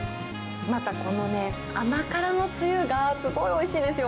またこの甘辛のつゆがすごいおいしいんですよ。